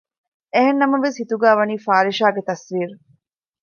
އެހެންނަމަވެސް ހިތުގައި ވަނީ ފާރިޝާގެ ތަސްވީރު